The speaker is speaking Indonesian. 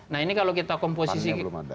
nah ini kalau kita komposisi